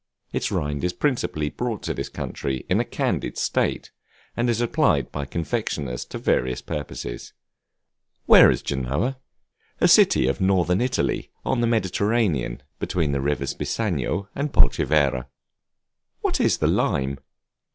Its rind is principally brought to this country in a candied state, and is applied by confectioners to various purposes. Where is Genoa? A city of Northern Italy, on the Mediterranean, between the rivers Bisagno and Polcevera. What is the Lime?